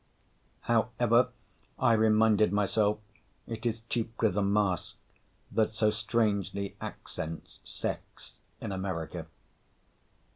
However, I reminded myself, it is chiefly the mask that so strangely accents sex in America.